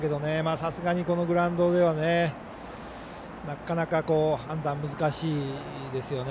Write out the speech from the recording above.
さすがに、このグラウンドではなかなか判断難しいですよね。